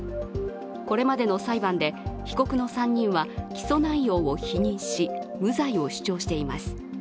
これまでの裁判で、被告の３人は起訴内容を否認し、無罪を主張しています。